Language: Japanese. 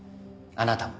あなたも。